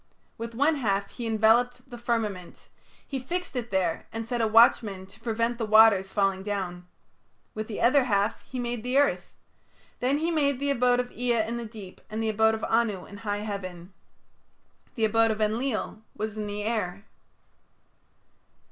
With one half he enveloped the firmament; he fixed it there and set a watchman to prevent the waters falling down. With the other half he made the earth. Then he made the abode of Ea in the deep, and the abode of Anu in high heaven. The abode of Enlil was in the air.